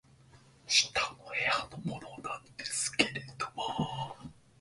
「下の部屋のものなんですけど」